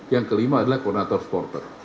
yang kelima adalah koordinator supporter